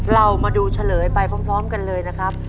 เรามาดูเฉลยไปพร้อมกันเลยนะครับ